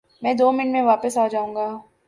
میں دو منٹ میں واپس آ جاؤں گا